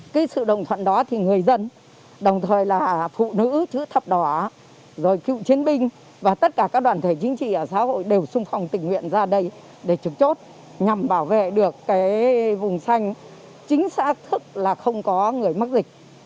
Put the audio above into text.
cái sự đồng thuận đó thì người dân đồng thời là phụ nữ chữ thập đỏ rồi cựu chiến binh và tất cả các đoàn thể chính trị ở xã hội đều sung phòng tình nguyện ra đây để trực chốt nhằm bảo vệ được cái vùng xanh chính xã thức là không có người mắc dịch